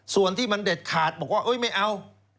ส่วนที่มันเด็ดขาดบอกว่าไม่เอา